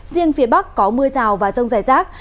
riêng phía bắc có mưa rào và rông rải rác